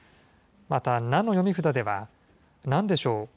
また、なの読み札では、なんでしょう？